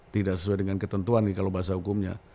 tidak sesuai dengan ketentuan kalau bahasa hukumnya